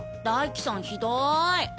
大樹さんひどーい！